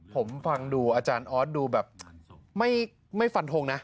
ผมฟังดูอาจารย์ออสดูแบบไม่ฟันทงนะ